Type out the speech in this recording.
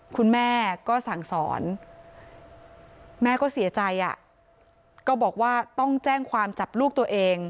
คุณแม่ก็สั่งสอนแม่ก็เสียใจก็บอกว่าต้องแจ้งความจับลูกตัวเอง